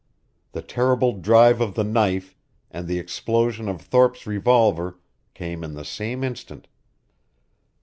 The terrible drive of the knife and the explosion of Thorpe's revolver came in the same instant.